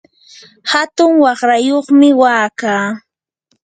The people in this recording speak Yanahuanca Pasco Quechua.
hatun waqrayuqmi wakaa.